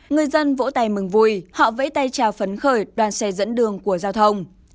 người dân vỗ tay mừng vui họ vẫy tay chào phấn khởi đoàn xe dẫn đường của giao thông